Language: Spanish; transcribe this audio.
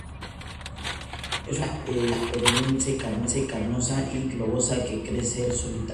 Es una planta perenne carnosa y globosa que crecer solitaria.